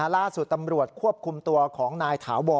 ล่าสุดตำรวจควบคุมตัวของนายถาวร